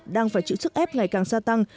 đang phải chịu sức ép ngày càng gia tăng